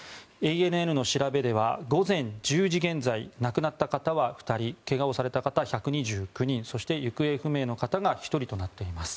ＡＮＮの調べでは午前１０時現在亡くなった方は２人怪我をされた方１２９人そして、行方不明の方が１人となっています。